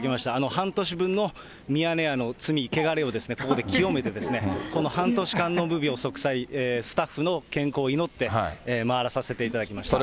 半年分のミヤネ屋の罪、けがれをここで清めて、この半年間の無病息災、スタッフの健康を祈って回らさせていただきました。